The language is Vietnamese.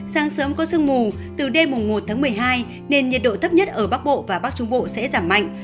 sáng sớm có sương mù từ đêm một tháng một mươi hai nền nhiệt độ thấp nhất ở bắc bộ và bắc trung bộ sẽ giảm mạnh